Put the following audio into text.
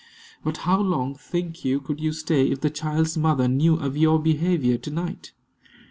"But how long, think you, could you stay, if the child's mother knew of your behavior to night?"